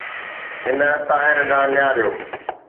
هن طاهر ڏانهن نهاريو.